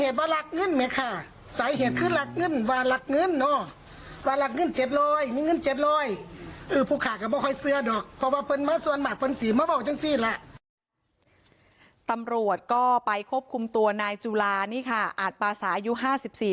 ตำรวจก็ควบคุมตัวนายจุลานี่ค่ะอาจปาสายุห้าสิบสี่